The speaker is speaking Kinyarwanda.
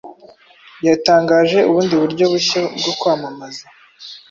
yatangaje ubundi buryo bushya bwo kwamamaza